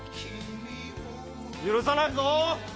許さないぞ！